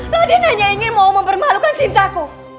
laden hanya ingin mau mempermalukan sintaku